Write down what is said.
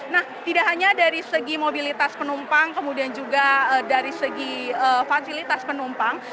nah tidak hanya dari segi mobilitas penumpang kemudian juga dari segi fasilitas penumpang